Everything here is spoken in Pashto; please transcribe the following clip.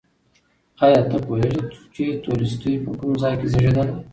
ایا ته پوهېږې چې تولستوی په کوم ځای کې زېږېدلی؟